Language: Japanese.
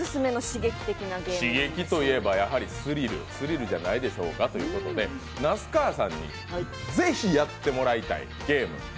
刺激といえば、やはりスリルじゃないでしょうかということで、那須川さんにぜひ、やってもらいたいゲーム。